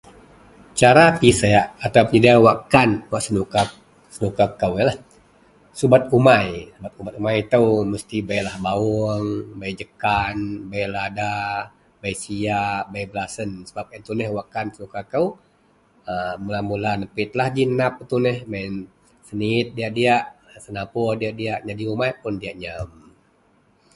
Cara piseak atau.. [unintelligible] wakkan wak senuka kou yenlah subet umai sebab subet umai itou mestilah bei bawuong, bei jekan, bei lada, bei sia, bei belasen sebab yen tuneh wakkan senuka kou. A mula-mula nepitlah ji nap yen tuneh, baih yen seniit diyak-diyak, senapor diyak-diyak jadi umai pun diyak nyam.